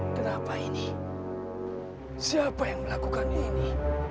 kenapa ini siapa yang melakukan ini